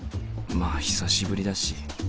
まあ久しぶりだし。